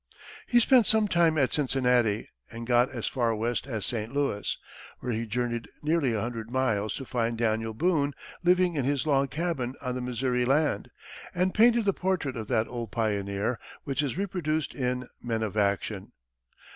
He spent some time at Cincinnati, and got as far west as St. Louis, where he journeyed nearly a hundred miles to find Daniel Boone living in his log cabin on his Missouri land, and painted the portrait of that old pioneer which is reproduced in "Men of Action."